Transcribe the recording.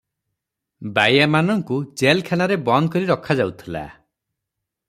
ବାୟାମାନଙ୍କୁ jail ଖାନାରେ ବନ୍ଦ କରି ରଖା ଯାଉଥିଲା ।